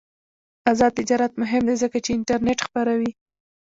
آزاد تجارت مهم دی ځکه چې انټرنیټ خپروي.